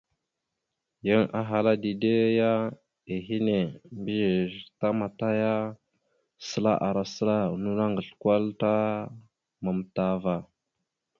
Yan ahala dide ya ehene, mbiyez tamataya səla ara səla, no naŋgasl kwal ta matam ava.